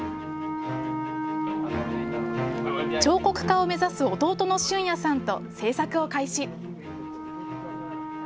彫刻家を目指す弟の駿弥さんと制作を開始。